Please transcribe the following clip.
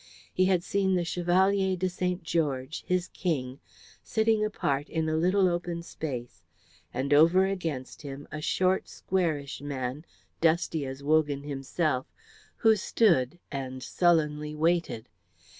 He had seen the Chevalier de St. George, his King, sitting apart in a little open space, and over against him a short squarish man, dusty as Wogan himself, who stood and sullenly waited.